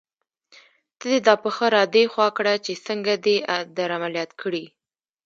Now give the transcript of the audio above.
ته دې دا پښه را دې خوا کړه چې څنګه دې در عملیات کړې.